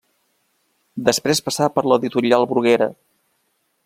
Després passà per l'Editorial Bruguera.